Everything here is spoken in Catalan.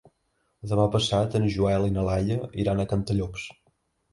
Demà passat en Joel i na Laia iran a Cantallops.